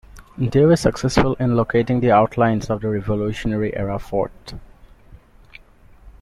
They were successful in locating the outlines of the revolutionary era fort.